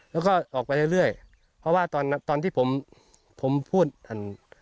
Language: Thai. แล้วก็ออกไปเรื่อยเรื่อยเพราะว่าตอนตอนที่ผมผมพูดอัน